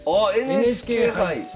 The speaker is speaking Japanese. ＮＨＫ杯！